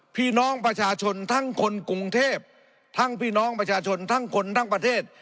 พี่น้องประชาชนทั้งคนกรุงเทพทั้งพี่น้องประชาชนทั้งคนทั้งประเทศ